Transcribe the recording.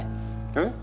えっ？